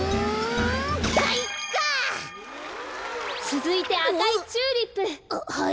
つづいてあかいチューリップ。ははい。